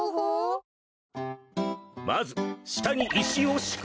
まず下に石を敷く。